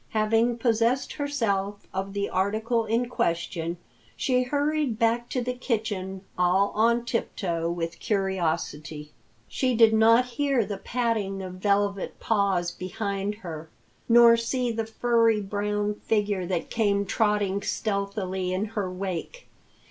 Having possessed herself of the article in question, she hurried back to the kitchen, all on tip toe with curiosity. She did not hear the padding of velvet paws behind her, nor see the furry brown figure that came trotting stealthily in her wake.